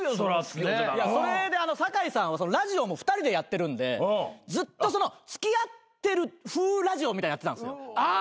それで酒井さんはラジオも２人でやってるんでずっと付き合ってるふうラジオやってたんですよ。